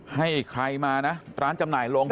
ให้ใครมานะร้านจำหน่ายลง